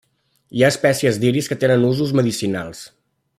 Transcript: Hi ha espècies d'iris que tenen usos medicinals.